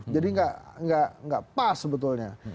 jadi gak pas sebetulnya